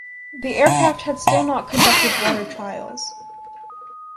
The aircraft had still not conducted water trials.